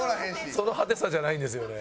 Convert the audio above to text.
「その派手さじゃないんですよね」